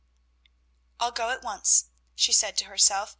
"I'll go at once," she said to herself.